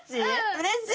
うれしい。